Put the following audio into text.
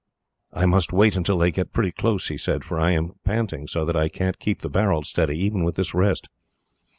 "I must wait until they get pretty close," he said, "for I am panting so that I can't keep the barrel steady, even with this rest."